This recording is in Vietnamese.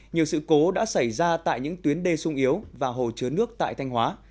nhiều sự cố đã xảy ra tại những tuyến đê sung yếu và hồ chứa nước tại thanh hóa